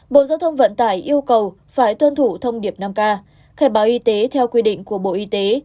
bộ giao thông vận tải yêu cầu phải tuân thủ thông điệp năm k khai báo y tế theo quy định của bộ y tế